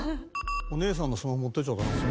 お姉さんのスマホ持っていっちゃった？